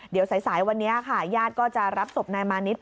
เดี๋ยวสายวันนี้ค่ะญาติก็จะรับศพนายมานิด